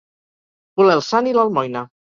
Voler el sant i l'almoina.